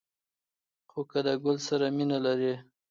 خو که د گل سره مینه لرئ